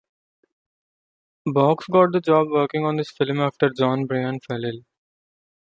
Box got the job working on this film after John Bryan fell ill.